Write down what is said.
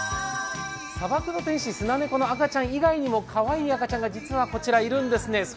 砂漠の天使、スナネコの赤ちゃん以外にもかわいい赤ちゃんがこちらいるんですね。